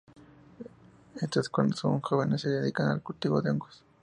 Estas cuando son jóvenes se dedican al cultivo de hongos.